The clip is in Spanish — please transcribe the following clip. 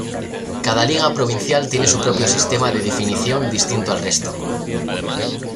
Cada liga Provincial tiene su propio sistema de definición distinto al resto.